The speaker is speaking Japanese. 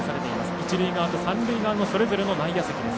一塁側、三塁側のそれぞれの内野席です。